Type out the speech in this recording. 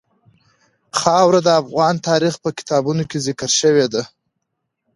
خاوره د افغان تاریخ په کتابونو کې ذکر شوی دي.